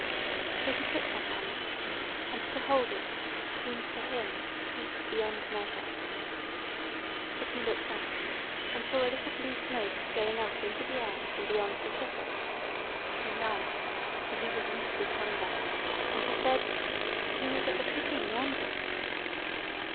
So he took her hand, and to hold it seemed to him sweet beyond measure. But he looked up, and saw a little blue smoke going up into the air from beyond the thicket; and he laughed, for he was weak with hunger, and he said: "Who is at the cooking yonder?"